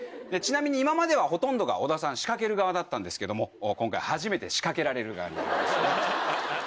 ちなみに今まではほとんどが織田さん仕掛ける側だったんですけども今回初めて仕掛けられる側になりますね。